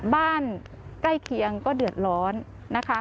ใกล้เคียงก็เดือดร้อนนะคะ